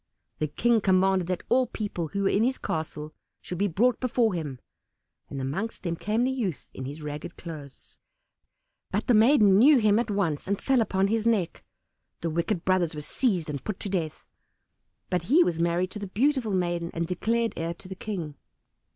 The King commanded that all people who were in his castle should be brought before him; and amongst them came the youth in his ragged clothes; but the maiden knew him at once and fell upon his neck. The wicked brothers were seized and put to death, but he was married to the beautiful maiden and declared heir to the King.